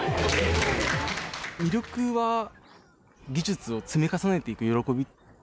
魅力は技術を積み重ねていく喜び。